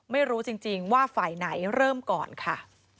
ไม่รู้จริงว่าฝ่ายไหนเริ่มก่อนค่ะ